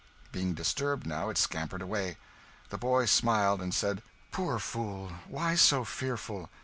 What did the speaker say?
Being disturbed now, it scampered away. The boy smiled, and said, "Poor fool, why so fearful?